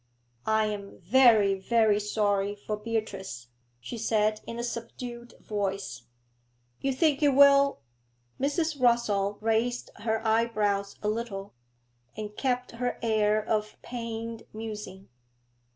'I am very, very sorry for Beatrice,' she said, in a subdued voice. 'You think it will ' Mrs. Rossall raised her eyebrows a little, and kept her air of pained musing.